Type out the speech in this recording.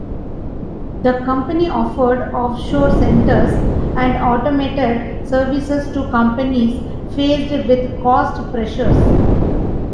The company offered offshore centers and automated services to companies faced with cost pressures.